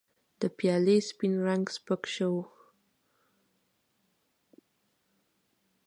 د پیالې سپین رنګ سپک شوی و.